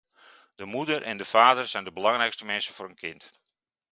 De moeder en de vader zijn de belangrijkste mensen voor een kind.